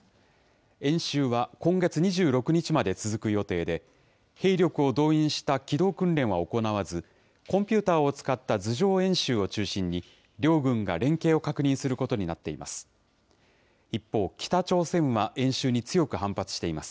演習は今月２６日まで続く予定で、兵力を動員した機動訓練は行わず、コンピューターを使った図上演習を中心に、両軍が連携を確認することになっています。